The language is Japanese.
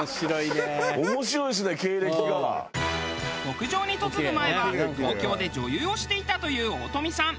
牧場に嫁ぐ前は東京で女優をしていたという大富さん。